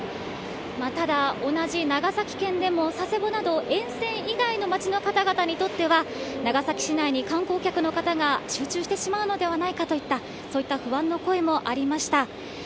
ただ、同じ長崎県でも佐世保など、沿線以外の町の方々にとっては、長崎市内に観光客の方が集中してしまうのではないかといった、そういった不安の声もありました。